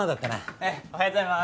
ええおはようございます。